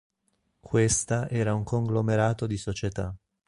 Questa era un conglomerato di società.